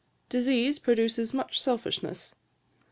Disease produces much selfishness.